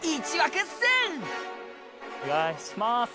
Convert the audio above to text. お願いします。